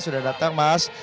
sudah datang mas